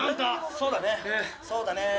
「そうだねそうだね」